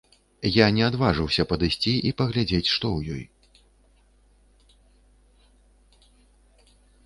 Я не адважыўся падысці і паглядзець, што ў ёй.